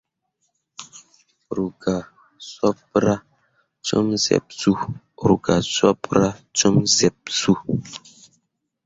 Ru gah sopra com zyeɓsuu.